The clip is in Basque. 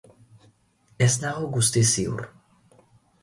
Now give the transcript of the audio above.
Ez nago guztiz ziur.